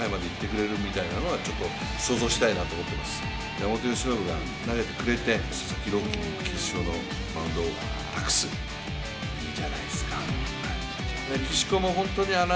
山本由伸が投げてくれて佐々木朗希に決勝のマウンドを託す、いいんじゃないすか。